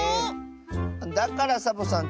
だからサボさん